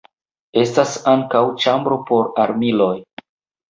Estas ankaŭ ĉambro por armiloj.